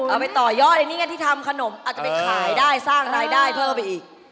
เอาไปต่อยอดไอ้นี่ไงที่ทำขนมอาจจะไปขายได้สร้างรายได้เพิ่มไปอีก